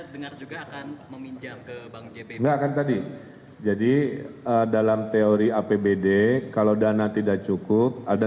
dengar juga akan meminjam ke bank jpp jadi dalam teori apbd kalau dana tidak cukup ada